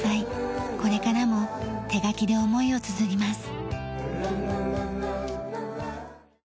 これからも手描きで思いをつづります。